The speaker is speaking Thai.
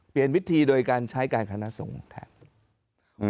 เปลี่ยนวิธีโดยการใช้การคณะส่งแทนอืม